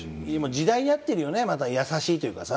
時代に合ってるよねまた優しいというかさ。